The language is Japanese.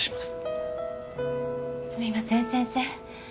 すみません先生